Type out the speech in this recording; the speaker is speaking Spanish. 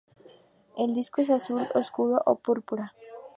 El disco es azul oscuro o púrpura.